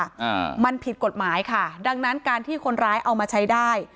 อ่ามันผิดกฎหมายค่ะดังนั้นการที่คนร้ายเอามาใช้ได้